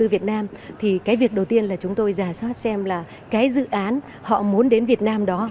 việc đầu tiên là chúng tôi giả soát xem là cái dự án họ muốn đến việt nam đó